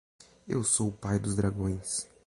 Eu sou o pai dos dragões.